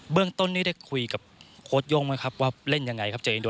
เรื่องต้นนี้ได้คุยกับโค้ชโย่งไหมครับว่าเล่นยังไงครับเจออินโด